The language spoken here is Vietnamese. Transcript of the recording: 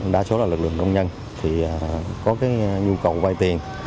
đa số là lực lượng công nhân thì có cái nhu cầu vay tiền